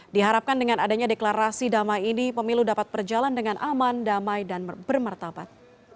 diharapkan dengan adanya deklarasi damai ini pemilu dapat berjalan dengan aman damai dan bermertabat